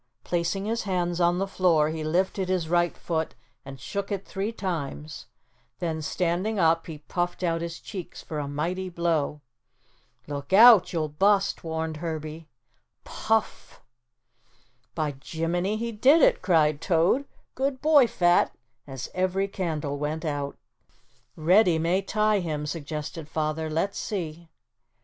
Placing his hands on the floor he lifted his right foot and shook it three times, then standing up he puffed out his cheeks for a mighty blow. "Look out, you'll bust," warned Herbie. Puff! "By jiminy, he did it," cried Toad, "good boy, Fat," as every candle went out. "Reddy may tie him," suggested Father. "Let's see."